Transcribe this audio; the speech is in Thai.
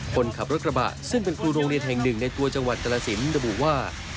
คนขับรถกระบะซึ่งเป็นครูโรงเรียนแห่งหนึ่งในตัวจังหวัดกรสินระบุว่า